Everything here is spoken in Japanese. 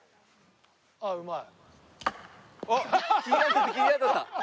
あっうまい。